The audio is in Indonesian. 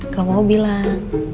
kalau mau bilang